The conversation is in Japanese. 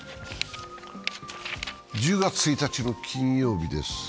１０月１日の金曜日です。